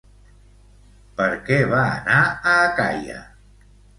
Per què va anar a Acaia?